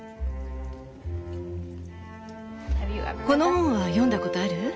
この本は読んだことある？